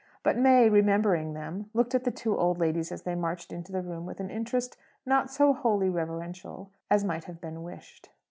But May, remembering them, looked at the two old ladies as they marched into the room with an interest not so wholly reverential as might have been wished.